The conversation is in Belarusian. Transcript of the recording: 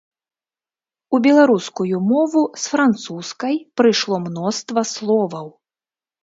У беларускую мову з французскай прыйшло мноства словаў.